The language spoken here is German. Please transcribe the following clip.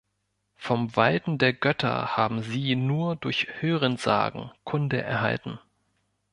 Vom Walten der Götter haben sie nur durch Hörensagen Kunde erhalten.